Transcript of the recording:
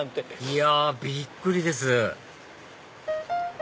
いやびっくりです